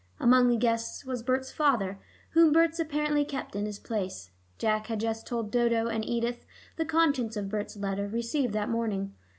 Among the guests was Berts' father, whom Berts apparently kept in his place. Jack had just told Dodo and Edith the contents of Berts' letter, received that morning.